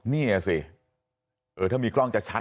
นี่แหละสิถ้ามีกล้องจะชัดเลยนะ